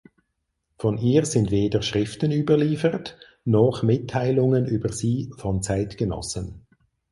Von ihr sind weder Schriften überliefert noch Mitteilungen über sie von Zeitgenossen.